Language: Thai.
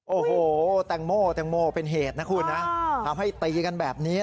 โอ้โห้แต่งโมเป็นเหตุนะคุณทำให้ตีกันแบบนี้นะฮะ